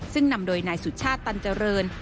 ซึ่งนำโดยนายสุชาติตันเจริญ